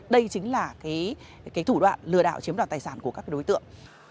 đây chính là cái thủ đoạn lừa đảo chiếm đoàn tài sản của các đối tượng